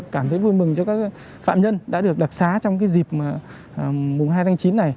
cảm thấy vui mừng cho các phạm nhân đã được đặc sá trong dịp mùa hai tháng chín này